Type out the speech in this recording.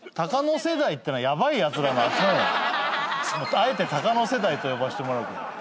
あえて高野世代と呼ばせてもらうけど。